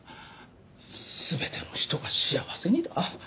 「すべての人が幸せに」だ？